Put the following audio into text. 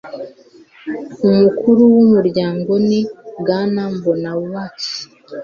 umukuru w umuryango ni bwana mbonabake